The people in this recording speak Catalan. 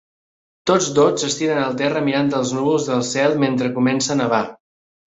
Tots dos s'estiren al terra mirant els núvols del cel mentre comença a nevar.